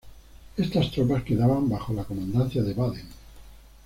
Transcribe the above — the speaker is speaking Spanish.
Estas tropas quedaban bajo la comandancia de Baden.